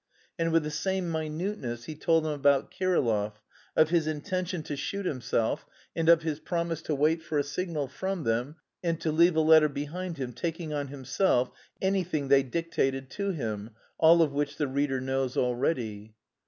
And with the same minuteness he told them about Kirillov, of his intention to shoot himself, and of his promise to wait for a signal from them and to leave a letter behind him taking on himself anything they dictated to him (all of which the reader knows already).